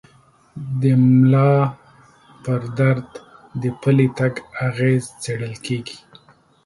د ملا پر درد د پلي تګ اغېز څېړل کېږي.